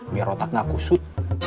biar otaknya kusut